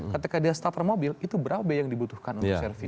ketika dia starter mobil itu berapa yang dibutuhkan untuk service